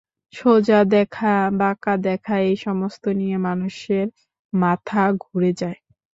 সোজা দেখা বাঁকা দেখা এই-সমস্ত নিয়ে মানুষের মাথা ঘুরে যায়।